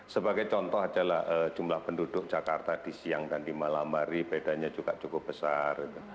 sebagai contoh adalah jumlah penduduk jakarta di siang dan di malam hari bedanya juga cukup besar